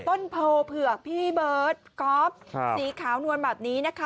ต้นโพเผือกพี่เบิร์ตก๊อฟสีขาวนวลแบบนี้นะคะ